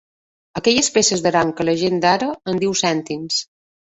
Aquelles peces d'aram que la gent d'ara en diu cèntims.